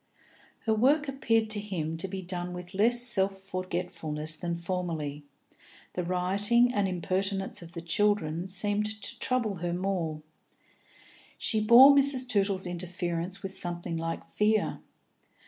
Her work appeared to him to be done with less self forgetfulness than formerly; the rioting and impertinence of the children seemed to trouble her more; she bore Mrs. Tootle's interference with something like fear.